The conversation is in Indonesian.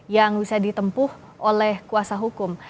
yang bisa ditempuh oleh kuasa hukum